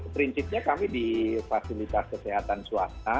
prinsipnya kami di fasilitas kesehatan swasta